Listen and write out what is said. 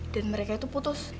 dan mereka itu putus